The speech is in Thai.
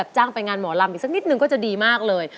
จ้างไปงานหมอลำอีกสักนิดนึงก็จะดีมากเลย